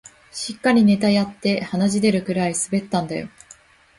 しっかりネタやって鼻血出るくらい滑ったんだよ